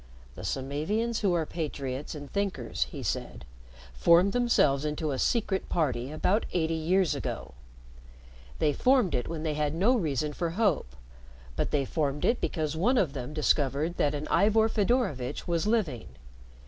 "The Samavians who are patriots and thinkers," he said, "formed themselves into a secret party about eighty years ago. They formed it when they had no reason for hope, but they formed it because one of them discovered that an Ivor Fedorovitch was living.